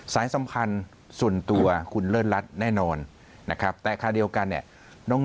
สายสำคัญส่วนตัวคุณเลิศรัทธิ์แน่นอนนะครับแต่ค่าเดียวกันเนี่ย